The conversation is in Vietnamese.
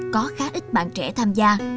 có khá ít bạn trẻ tham gia